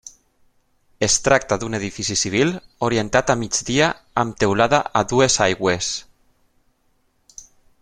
Es tracta d'un edifici civil orientat a migdia amb teulada a dues aigües.